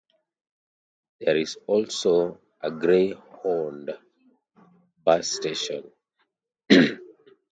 There is also a Greyhound bus station.